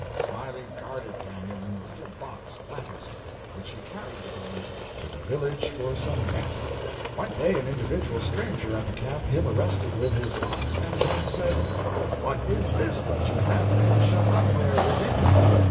Smiley guarded Daniel in a little box latticed which he carried bytimes to the village for some bet. One day an individual stranger at the camp him arrested with his box and him said: 'What is this that you have then shut up there within?'